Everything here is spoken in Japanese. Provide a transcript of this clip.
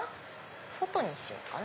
外にしようかな。